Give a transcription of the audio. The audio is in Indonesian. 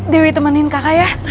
dewi temenin kakak ya